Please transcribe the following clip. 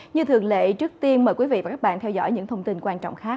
như thường lệ trước tiên mời quý vị và các bạn theo dõi những thông tin quan trọng khác